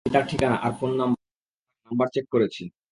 Sir এটি তার ঠিকানা আর phone number sir number check করেছি।